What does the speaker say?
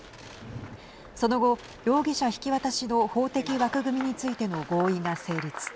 その後、容疑者引き渡しの法的枠組みについての合意が成立。